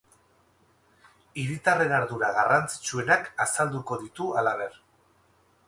Hiritarren ardura garrantzitsuenak azalduko ditu, halaber.